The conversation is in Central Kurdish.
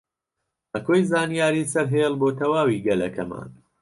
مەکۆی زانیاری سەرهێڵ بۆ تەواوی گەلەکەمان